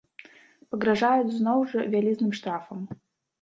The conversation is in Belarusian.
Пагражаюць зноў жа вялізным штрафам.